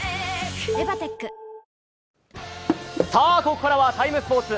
ここからは「ＴＩＭＥ，スポーツ」。